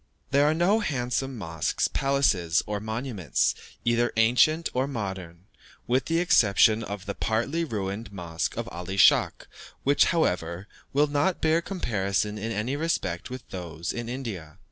There are no handsome mosques, palaces, or monuments, either ancient or modern, with the exception of the partly ruined mosque of Ali Schach, which, however, will not bear comparison in any respect with those in India.